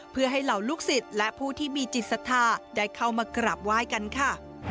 เพื่อให้เหล่าลูกศิษย์และผู้ที่มีจิตศรัทธาได้เข้ามากราบไหว้กันค่ะ